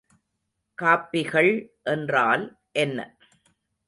காப்பிகள் என்றால் என்ன?